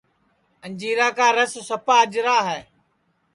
انجیرا کا رس سپا اجرا ہے